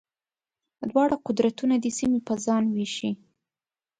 دواړه قدرتونه دې سیمې پر ځان وېشي.